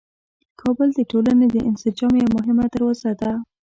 کابل د ټولنې د انسجام یوه مهمه دروازه ده.